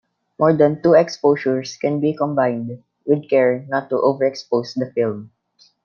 More than two exposures can be combined, with care not to overexpose the film.